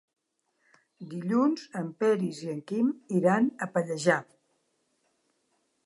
Dilluns en Peris i en Quim iran a Pallejà.